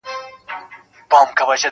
• بیا مي ګوم ظالم ارمان په کاڼو ولي,